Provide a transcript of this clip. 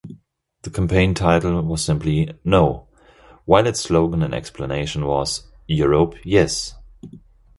The campaign title was simply "No" while its slogan and explanation was "Europe Yes.